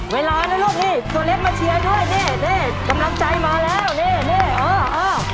เวลานะลูกนี่ตัวเล็กมาเชียร์ด้วยนี่นี่กำลังใจมาแล้วนี่นี่เออเออ